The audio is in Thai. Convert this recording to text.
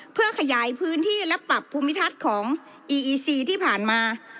เพื่อขยายพื้นที่และปรับภูมิทัศน์ของอีอีซีที่ผ่านมา